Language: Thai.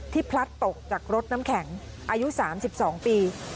พลัดตกจากรถน้ำแข็งอายุ๓๒ปี